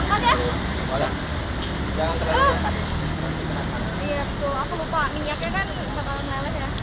minyaknya kan tetap dalam halus ya